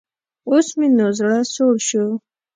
اوس مې نو زړۀ سوړ شو.